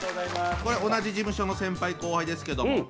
これ同じ事務所の先輩後輩ですけども。